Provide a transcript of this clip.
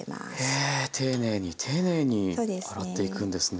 へえ丁寧に丁寧に洗っていくんですね。